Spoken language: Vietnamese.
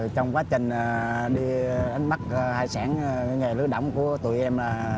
trong quá trình đánh bắt hải sản nghề lứa động của tụi em